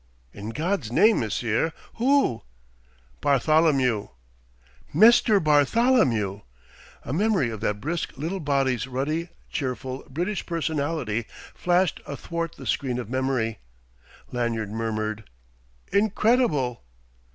"In God's name, monsieur who?" "Bartholomew." "Mr. Bartholomew!" A memory of that brisk little body's ruddy, cheerful, British personality flashed athwart the screen of memory. Lanyard murmured: "Incredible!"